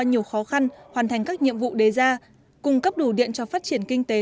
nhiều khó khăn hoàn thành các nhiệm vụ đề ra cung cấp đủ điện cho phát triển kinh tế